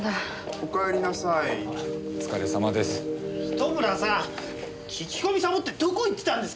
糸村さん聞き込みさぼってどこ行ってたんですか！